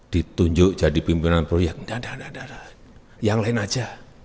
ditunjuk jadi pimpinan proyek enggak enggak enggak yang lain saja